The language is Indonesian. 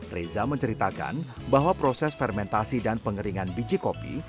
reza menceritakan bahwa proses fermentasi dan pengeringan biji kopi